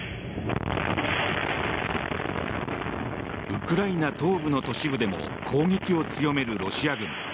ウクライナ東部の都市部でも攻撃を強めるロシア軍。